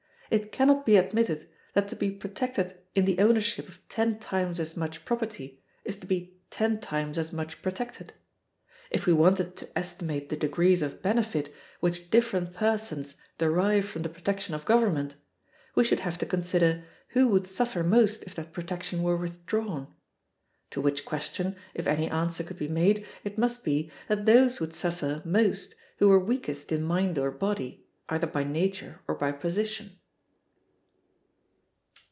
It can not be admitted that to be protected in the ownership of ten times as much property is to be ten times as much protected. If we wanted to estimate the degrees of benefit which different persons derive from the protection of government, we should have to consider who would suffer most if that protection were withdrawn: to which question, if any answer could be made, it must be, that those would suffer most who were weakest in mind or body, either by nature or by position.